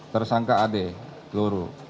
tersangka ade teluru